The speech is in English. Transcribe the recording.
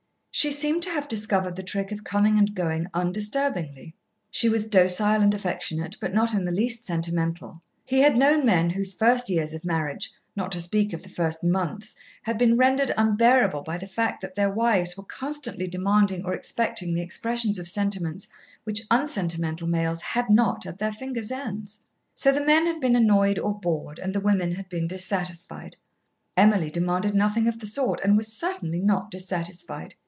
She seemed to have discovered the trick of coming and going undisturbingly. She was docile and affectionate, but not in the least sentimental. He had known men whose first years of marriage, not to speak of the first months, had been rendered unbearable by the fact that their wives were constantly demanding or expecting the expression of sentiments which unsentimental males had not at their fingers' ends. So the men had been annoyed or bored, and the women had been dissatisfied. Emily demanded nothing of the sort, and was certainly not dissatisfied.